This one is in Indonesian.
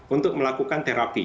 untuk melakukan terapi